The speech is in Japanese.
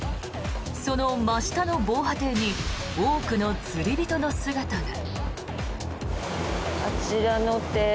その真下の防波堤に多くの釣り人の姿が。